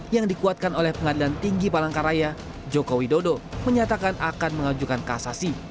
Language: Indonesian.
yang dikuatkan oleh pengadilan tinggi palangkaraya joko widodo menyatakan akan mengajukan kasasi